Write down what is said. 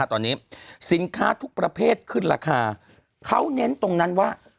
ตอนนี้สินค้าทุกประเภทขึ้นราคาเขาเน้นตรงนั้นว่า